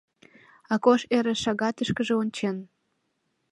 Акош эре шагатышкыже ончен.